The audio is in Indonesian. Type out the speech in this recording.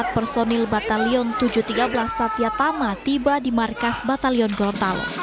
empat ratus delapan puluh empat personil batalion tujuh ratus tiga belas satya tama tiba di markas batalion grontalo